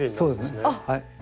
そうですね。